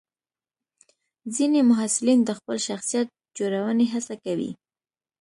ځینې محصلین د خپل شخصیت جوړونې هڅه کوي.